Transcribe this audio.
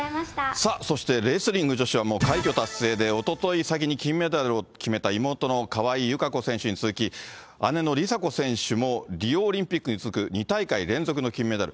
さあ、そしてレスリング女子はもう快挙達成で、おととい先に金メダルを決めた妹の川井友香子選手に続き、姉の梨紗子選手も、リオオリンピックに続く２大会連続の金メダル。